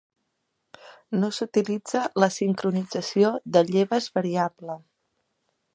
No s'utilitza la sincronització de lleves variable.